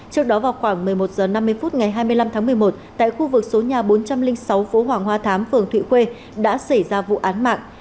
trước đó vào khoảng một mươi một h năm mươi phút ngày hai mươi năm tháng một mươi một tại khu vực số nhà bốn trăm linh sáu phố hoàng hoa thám phường thụy đã xảy ra vụ án mạng